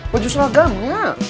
baju seragam ya